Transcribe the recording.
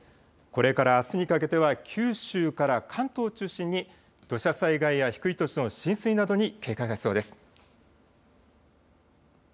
これからあすにかけては九州から関東を中心に土砂災害や低い土地の浸水などに警戒が必要です。